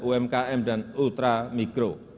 umkm dan ultramikro